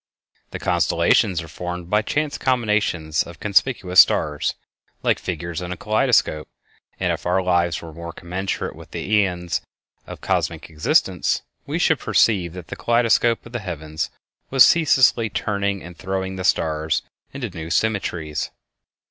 The constellations are formed by chance combinations of conspicuous stars, like figures in a kaleidoscope, and if our lives were commensurate with the æons of cosmic existence we should perceive that the kaleidoscope of the heavens was ceaselessly turning and throwing the stars into new symmetries.